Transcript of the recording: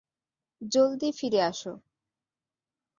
জলদি ফিরে আসো।